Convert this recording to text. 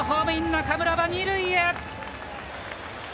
中村は二塁へ。